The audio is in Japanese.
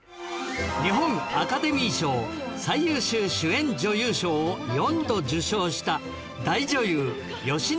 日本アカデミー賞最優秀主演女優賞を４度受賞した大女優吉永小百合